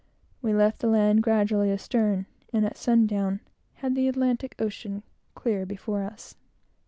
We left the land gradually astern; and at sundown had the Atlantic Ocean clear before us.